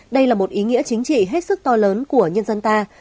đây là một ý nghĩa chính trị hết sức to lớn của nhân dân ta